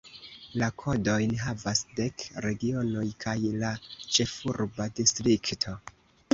La kodojn havas dek regionoj kaj la ĉefurba distrikto.